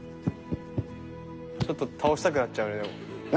ちょっと倒したくなっちゃうねでも。